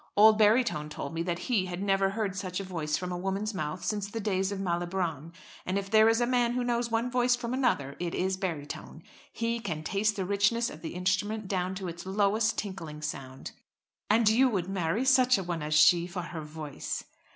Old Barytone told me that he had never heard such a voice from a woman's mouth since the days of Malibran; and if there is a man who knows one voice from another, it is Barytone. He can taste the richness of the instrument down to its lowest tinkling sound." "And you would marry such a one as she for her voice."